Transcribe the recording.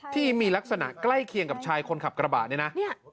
ที่มีลักษณะใกล้เคียงกับชายคนขับกระบะเนี่ยนะ